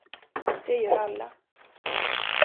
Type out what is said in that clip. Det gör alla.